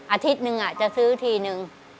อาทิตย์หนึ่งจะซื้อทีนึง